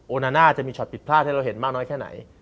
นาน่าจะมีช็อตผิดพลาดให้เราเห็นมากน้อยแค่ไหน